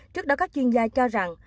trước đó các chuyên gia cho rằng